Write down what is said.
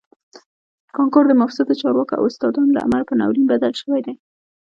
کانکور د مفسدو چارواکو او استادانو له امله په ناورین بدل شوی دی